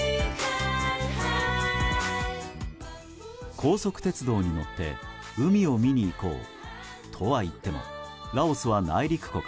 高速鉄道に乗って海を見に行こうとは言ってもラオスは内陸国。